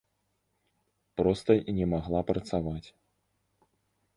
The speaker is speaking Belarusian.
Проста не магла працаваць.